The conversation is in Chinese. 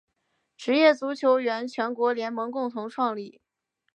职业足球员全国联盟共同创立。